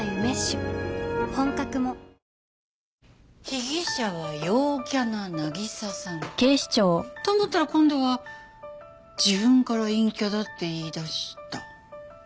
被疑者は陽キャな渚さん。と思ったら今度は自分から陰キャだって言いだした。